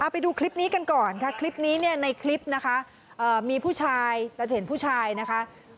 ไปดูคลิปนี้กันก่อนค่ะคลิปนี้เนี่ยในคลิปนะคะมีผู้ชายเราจะเห็นผู้ชายนะคะ